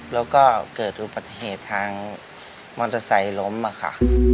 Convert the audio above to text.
แล้วก็เกิดอุบัติเหตุทางมอเตอร์ไซค์ล้มค่ะ